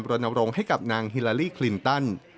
บรรณวงให้กับนางฮิลาลี่คลินตัน